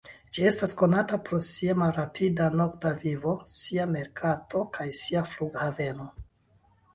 Ĝi estas konata pro sia malrapida nokta vivo, sia merkato kaj sia flughaveno.